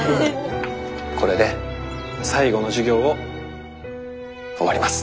「これで最後の授業を終わります」。